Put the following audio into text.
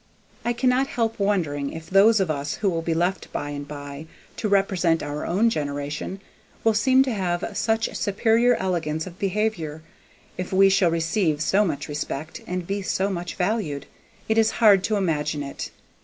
I cannot help wondering if those of us who will be left by and by to represent our own generation will seem to have such superior elegance of behavior; if we shall receive so much respect and be so much valued. It is hard to imagine it.